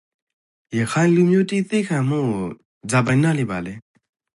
ရခိုင်လူမျိုးတိသည်းခံမှုကိုဇာပိုင် နားလည်ပါလေ?